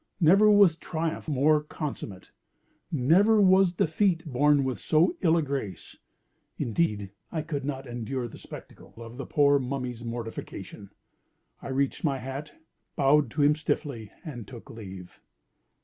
Never was triumph more consummate; never was defeat borne with so ill a grace. Indeed, I could not endure the spectacle of the poor Mummy's mortification. I reached my hat, bowed to him stiffly, and took leave.